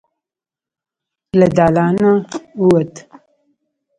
له دالانه ووت.